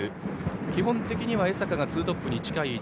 基本的には江坂がツートップに近い位置。